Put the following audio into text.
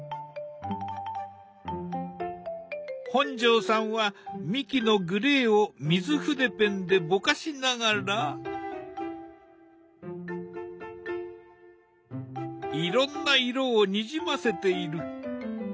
本上さんは幹のグレーを水筆ペンでぼかしながらいろんな色をにじませている。